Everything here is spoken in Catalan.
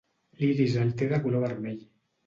L'iris el té de color vermell.